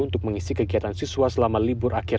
untuk mengisi kegiatan siswa selama libur akhir